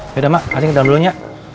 yaudah mak acing ke dalam dulunya